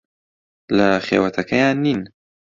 لە خێوەتەکەیان نین.